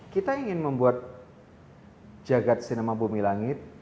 kita ingin membuat jagad sinema bumi langit